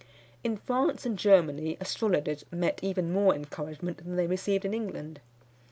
_" In France and Germany astrologers met even more encouragement than they received in England.